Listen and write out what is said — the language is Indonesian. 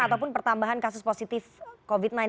ataupun pertambahan kasus positif covid sembilan belas